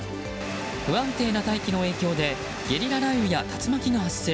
不安定な大気の影響でゲリラ雷雨や竜巻が発生。